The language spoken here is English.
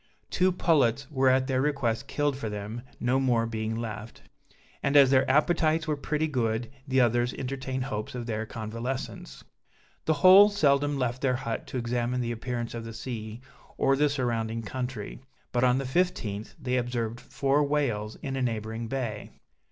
Two pullets were at their request killed for them, no more being left; and as their appetites were pretty good, the others entertained hopes of their convalescence. The whole seldom left their hut to examine the appearance of the sea, or the surrounding country; but, on the 15th, they observed four whales in a neighboring bay.